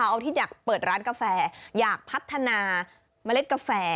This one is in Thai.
เอาที่อยากเปิดร้านกาแฟอยากพัฒนาเมล็ดกาแฟ